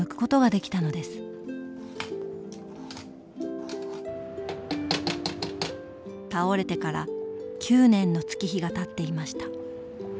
倒れてから９年の月日がたっていました。